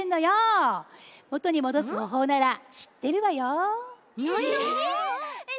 もとにもどすほうほうならしってるわよ。